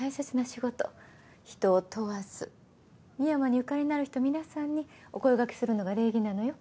人を問わず深山にゆかりのある人皆さんにお声掛けするのが礼儀なのよ。